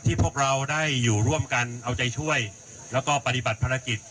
พวกเราได้อยู่ร่วมกันเอาใจช่วยแล้วก็ปฏิบัติภารกิจ